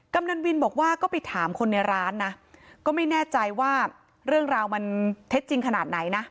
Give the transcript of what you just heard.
กนันวินบอกว่าก็ไปถามคนในร้านนะก็ไม่แน่ใจว่าเรื่องราวมันเท็จจริงขนาดไหนนะ